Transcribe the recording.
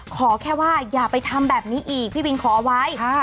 ขอแค่ว่าอย่าไปทำแบบนี้อีกพี่บินขอไว้